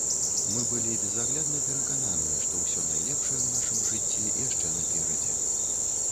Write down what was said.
Мы былі безаглядна перакананыя, што ўсё найлепшае ў нашым жыцці яшчэ наперадзе.